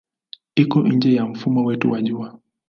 Iko nje ya mfumo wetu wa Jua.